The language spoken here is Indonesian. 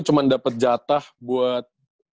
cuman dapet jatah buat